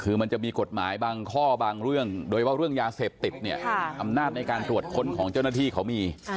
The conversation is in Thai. คือมันจะมีกฎหมายบางข้อบางเรื่องโดยว่าเรื่องยาเสพติดเนี่ยอำนาจในการตรวจค้นของเจ้าหน้าที่เขามี